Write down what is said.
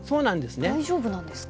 大丈夫なんですか。